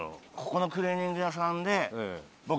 ここのクリーニング屋さんで僕。